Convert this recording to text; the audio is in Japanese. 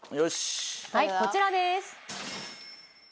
はいこちらです。